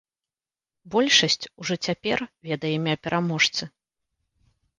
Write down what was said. Большасць ужо цяпер ведае імя пераможцы.